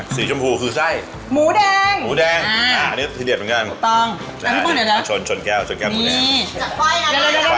สีชมพูคือไส้หมูแดงอันนี้ที่เด็ดเหมือนกันชนแก้วหมูแดง